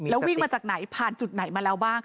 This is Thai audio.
แล้ววิ่งมาจากไหนผ่านจุดไหนมาแล้วบ้าง